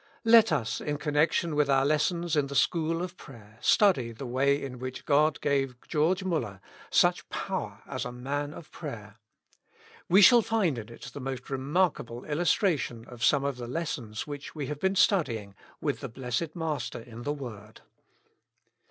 I,et us in connection with our lessons in the school of prayer study the way in which God gave George Muller such power as a man of prayer : we shall find in it the most remark able illustration of some of the lessons which we have been 263 Notes. studying with the blessed Master in the word.